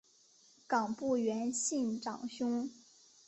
冈部元信长兄。